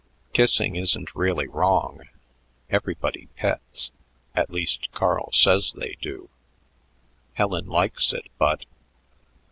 "Kissing isn't really wrong. Everybody pets; at least, Carl says they do. Helen likes it but..."